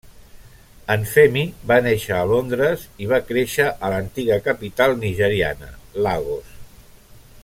En Femi va néixer a Londres i va créixer a l'antiga capital nigeriana, Lagos.